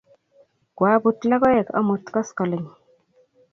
Kwaput logoek amut koskoling'